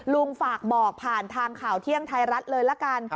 ลุงฝากบอกผ่านทางข่าวเที่ยงไทยรัฐเลยละกัน